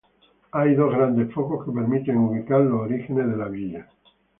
Hay dos grandes focos que permiten ubicar los orígenes de la villa.